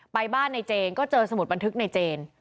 ไปบ้านในเจนก็เจอสมุดบันทึกในเจน